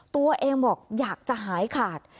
ตัวเองบอกอยากจะหายขาด